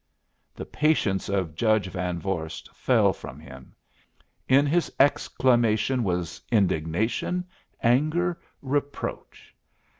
The patience of Judge Van Vorst fell from him. In his exclamation was indignation, anger, reproach.